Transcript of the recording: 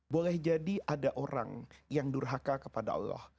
boleh jadi ada orang yang durhaka kepada allah